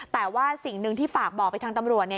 แต่ว่าสิ่งหนึ่งที่ฝากบอกไปทางตำรวจเนี่ย